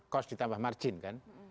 kos ditambah margin kan